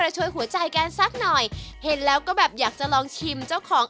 ช่วยหัวใจกันสักหน่อยเห็นแล้วก็แบบอยากจะลองชิมเจ้าของ